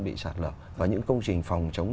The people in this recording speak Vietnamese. bị sạt lở và những công trình phòng chống